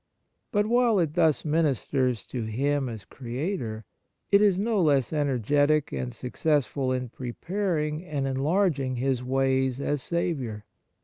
But, while it thus ministers to Him as Creator, it is no less energetic and success ful in preparing and enlarging His ways as Saviour.